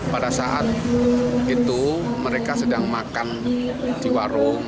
pada saat itu mereka sedang makan di warung